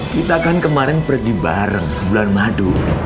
kita kan kemarin pergi bareng bulan madu